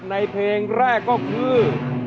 ในเพลงแรกก็คือ